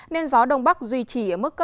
nên gió đông bắc duy trì ở mức một mươi năm độ